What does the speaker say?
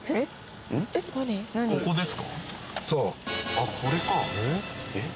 あっこれか。